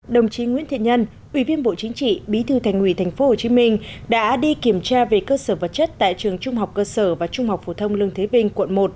đồng chí nguyễn thiện nhân ủy viên bộ chính trị bí thư thành ủy tp hcm đã đi kiểm tra về cơ sở vật chất tại trường trung học cơ sở và trung học phổ thông lương thế vinh quận một